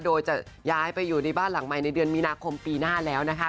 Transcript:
โดยจะย้ายไปอยู่ในบ้านหลังใหม่ในเดือนมีนาคมปีหน้าแล้วนะคะ